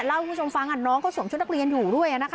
เล่าให้คุณชมฟังอ่ะน้องเขาส่งชุดนักเรียนอยู่ด้วยอ่ะนะคะ